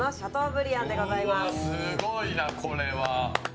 すごいな、これは。